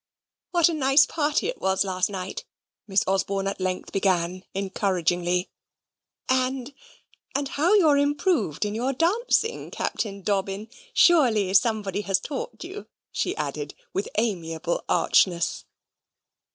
"What a nice party it was last night," Miss Osborne at length began, encouragingly; "and and how you're improved in your dancing, Captain Dobbin. Surely somebody has taught you," she added, with amiable archness.